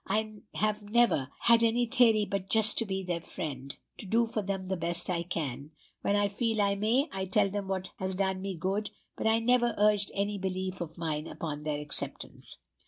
I have never had any theory but just to be their friend, to do for them the best I can. When I feel I may, I tell them what has done me good, but I never urge any belief of mine upon their acceptance.